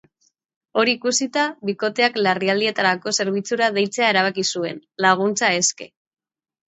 Hori ikusita, bikoteak larrialdietarako zerbitzura deitzea erabaki zuen, laguntza eske.